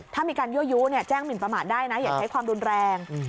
ถ้ามีการยั่วยู้แจ้งหมินประมาทได้นะอย่าใช้ความรุนแรง